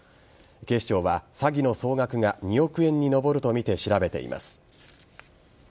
警視庁は詐欺の総額が２億円に上るとみて調べています。